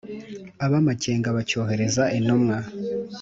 Ab' amakenga bacyohereza intumwa